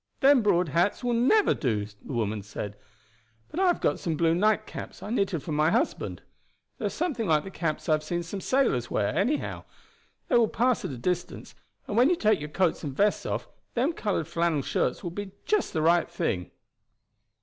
"Them broad hats will never do," the woman said; "but I have got some blue nightcaps I knitted for my husband. They are something like the caps I have seen some sailors wear; anyhow, they will pass at a distance, and when you take your coats and vests off, them colored flannel shirts will be just the right thing."